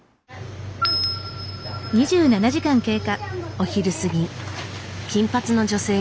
お昼過ぎ金髪の女性が。